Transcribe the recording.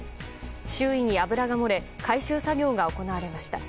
周囲に油が漏れ回収作業が行われました。